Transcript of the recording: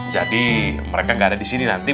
jadi mereka gak ada di sini nanti